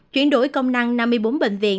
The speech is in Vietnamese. chuyển đổi công năng năm mươi bốn bệnh viện